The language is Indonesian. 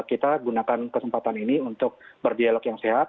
kita gunakan kesempatan ini untuk berdialog yang sehat